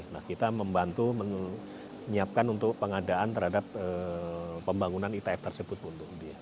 nah kita membantu menyiapkan untuk pengadaan terhadap pembangunan itf tersebut pun